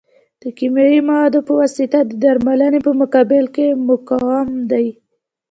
د کیمیاوي موادو په واسطه د درملنې په مقابل کې مقاوم دي.